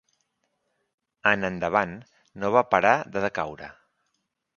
En endavant no va parar de decaure.